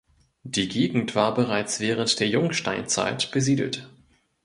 Die Gegend war bereits während der Jungsteinzeit besiedelt.